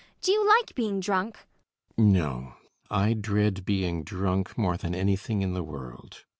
Do you like being drunk? CAPTAIN SHOTOVER. No: I dread being drunk more than anything in the world.